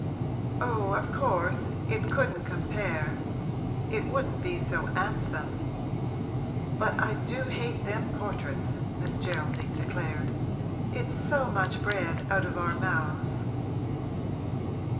'Oh, of course it couldn't compare it wouldn't be so 'andsome! But I do hate them portraits!' Miss Geraldine declared. 'It's so much bread out of our mouths.'